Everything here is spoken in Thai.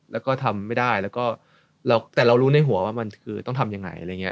แล้วก็ทำไม่ได้แล้วก็แต่เรารู้ในหัวว่ามันคือต้องทำยังไงอะไรอย่างนี้